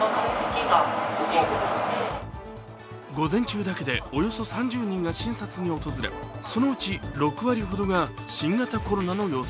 午前中だけでおよそ３０人が診察に訪れ、そのうち６割ほどが新型コロナの陽性。